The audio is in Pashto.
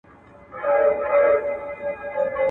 چي د سینې پر باغ دي راسي سېلاوونه..